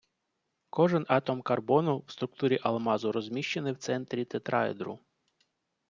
Кожен атом карбону в структурі алмазу розміщений в центрі тетраедру